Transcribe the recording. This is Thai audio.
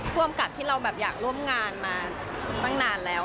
ความกราบที่เราอยากร่วมงานมาตั้งนานแล้ว